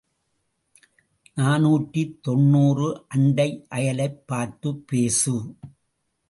நாநூற்று தொன்னூறு அண்டை அயலைப் பார்த்துப் பேசு.